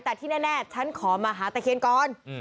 แต่ที่แน่ฉันขอมาหาตะเคียนก่อน